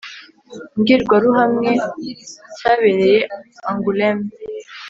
mbwirwaruhamwe cyabereye angoulême,